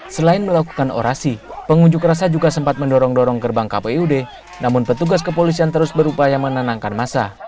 selain melakukan orasi pengunjuk rasa juga sempat mendorong dorong gerbang kpud namun petugas kepolisian terus berupaya menenangkan masa